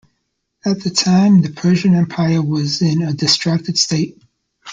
At the time the Persian Empire was in a distracted state.